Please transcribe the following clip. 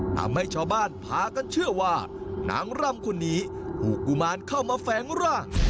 ทำให้ชาวบ้านพากันเชื่อว่านางรำคนนี้ถูกกุมารเข้ามาแฝงร่าง